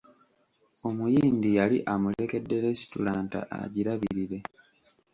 Omuyindi yali amulekedde lesitulanta agirabirire.